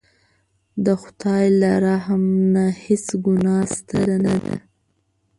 د خدای له رحم نه هېڅ ګناه ستره نه ده.